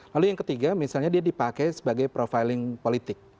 lalu yang ketiga misalnya dia dipakai sebagai profiling politik